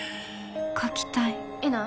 描きたいえな？